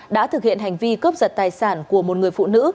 đã thực hiện hành vi cướp giật tài sản của một người phụ nữ